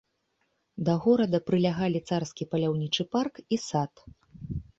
Да горада прылягалі царскі паляўнічы парк і сад.